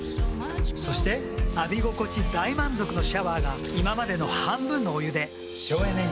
そして浴び心地大満足のシャワーが今までの半分のお湯で省エネに。